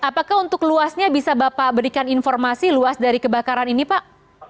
apakah untuk luasnya bisa bapak berikan informasi luas dari kebakaran ini pak